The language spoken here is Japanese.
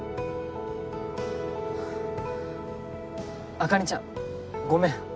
茜ちゃんごめん